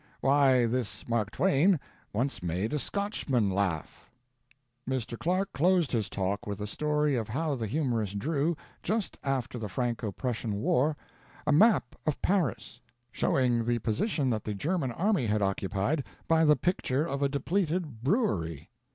Why, this Mark Twain once made a Scotchman laugh. Mr. Clarke closed his talk with the story of how the humorist drew, must after the Franco Prussian war, a map of Paris, showing the position that the German Army had occupied by the picture of a depleted brewery.